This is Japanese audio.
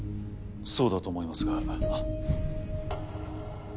そうだと思いますが。